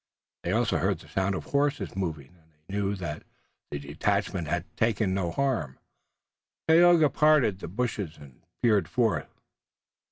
They also heard the sound of horses moving and they knew that the detachment had taken no harm. Tayoga parted the bushes and peered forth.